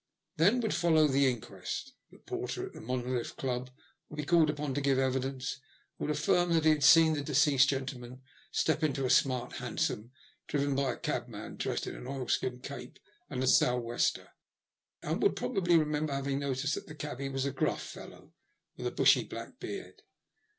Then would follow the inquest. The porter at the Monolith Club would be called upon to give evidence, and would affirm that he had seen the deceased gentleman step into a smart hansom, driven by a cabman dressed in an oilskin cape and a sou'wester, and would probably remember having noticed that the cabby was a gruff fellow with a bushy, black beard.